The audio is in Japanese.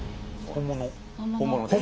本物です。